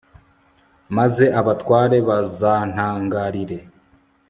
maze abatware bazantangarire